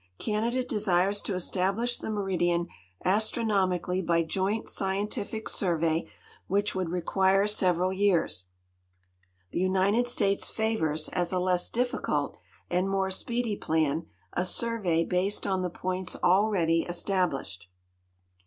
Canada desires to e.stablish the meridian astronomically by joint scientific survey, which would require several years. The United States fiivors, as a less difficult and more speedy plan, a survey based on the points already established.